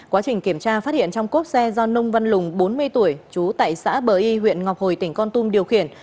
quá trình kiểm tra phát hiện trong cốp xe do nông văn lùng bốn mươi tuổi trú tại xã bờ y huyện ngọc hồi tỉnh con tum điều khiển